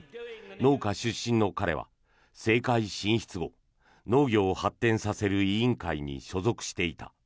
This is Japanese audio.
農家出身の彼は政界進出後農業を発展させる委員会に所属していた。